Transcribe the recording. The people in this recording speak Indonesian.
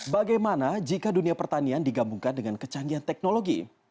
bagaimana jika dunia pertanian digabungkan dengan kecanggihan teknologi